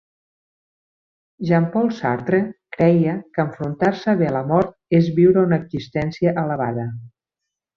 Jean-Paul Sartre creia que enfrontar-se bé a la mort és viure una existència elevada.